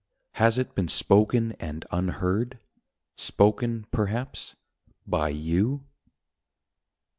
Has it been spoken and unheard? Spoken, perhaps, by you